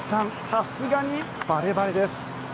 さすがにバレバレです。